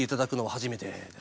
初めて。